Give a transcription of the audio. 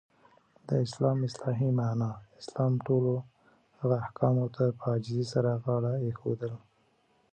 د اسلام اصطلاحی معنا : اسلام ټولو هغه احکامو ته په عاجزی سره غاړه ایښودل.